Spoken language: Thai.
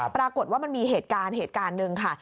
ปรากฏว่ามันมีเหตุการณ์๑ค่ะ